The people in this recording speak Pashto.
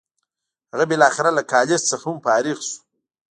هغه بالاخره له کالج څخه هم فارغ شو.